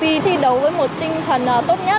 thì thi đấu với một tinh thần tốt nhất